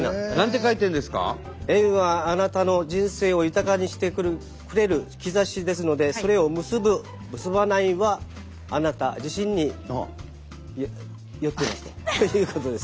縁はあなたの人生を豊かにしてくれる兆しですのでそれを結ぶ結ばないはあなた自身によっているということですね。